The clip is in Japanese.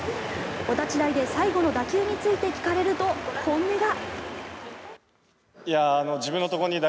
お立ち台で最後の打球について聞かれると本音が。